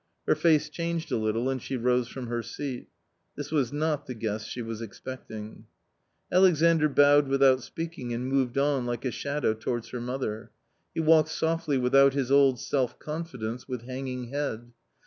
Her face changed a little and she rose from her seat. This was not the guest she was expecting. Alexandr bowed without speaking and moved on like a shadow towards her mother. He walked softly without his old self confidence, with hanging head.